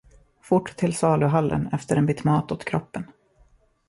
Fort till saluhallen efter en bit mat åt kroppen.